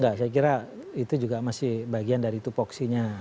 enggak saya kira itu juga masih bagian dari tupoksinya